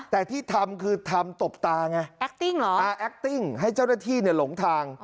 แต่ที่ทำคือทำตบตาไงตาแอคติ้งให้เจ้าหน้าที่หลงทาง